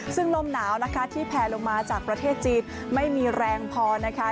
ซึ่งลมหนาวนะคะที่แผลลงมาจากประเทศจีนไม่มีแรงพอนะคะ